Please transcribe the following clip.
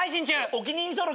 お気に入り登録。